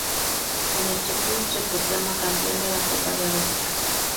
Con este club se proclama campeón de la Copa de Austria.